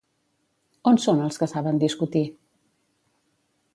On són els que saben discutir?